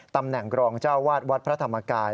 ตำแหน่งรองเจ้าวาดวัดพระธรรมกาย